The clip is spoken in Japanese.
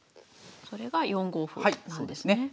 それが４五歩なんですね。